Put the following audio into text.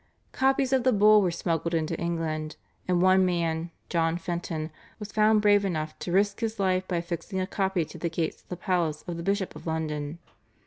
Copies of the Bull were smuggled into England, and one man, John Fenton, was found brave enough to risk his life by affixing a copy to the gates of the palace of the Bishop of London.